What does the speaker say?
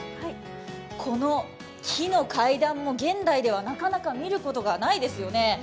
この木の階段も現代では、なかなか見ることがないですよね。